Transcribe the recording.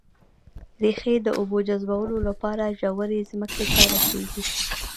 ريښې د اوبو جذبولو لپاره ژورې ځمکې ته رسېږي